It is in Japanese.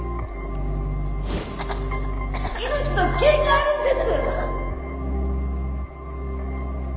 命の危険があるんです